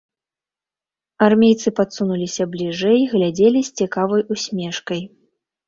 Армейцы падсунуліся бліжэй, глядзелі з цікавай усмешкай.